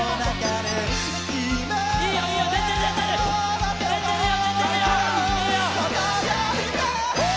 いいよ、いいよ！出てるよ！